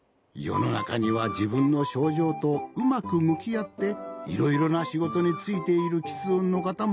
のなかにはじぶんのしょうじょうとうまくむきあっていろいろなしごとについているきつ音のかたもおるんじゃよ。